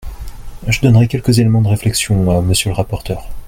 Je donnerai quelques éléments de réflexion à Monsieur le rapporteur.